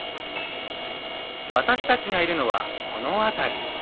私たちがいるのはこの辺り。